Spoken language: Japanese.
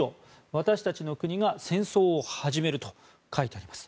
私たちの国が戦争を始めると書いてあります。